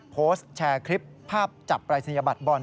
โพสต์แชร์คลิปภาพจับปรายศนียบัตรบอล